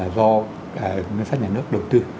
do ngân sách nhà nước đầu tư